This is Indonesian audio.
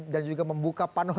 dan juga membuka panoramik